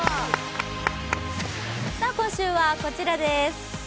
今週はこちらです。